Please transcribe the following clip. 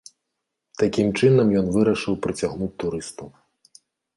Такім чынам ён вырашыў прыцягнуць турыстаў.